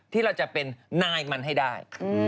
ที่เราจะเป็นนายมันให้ได้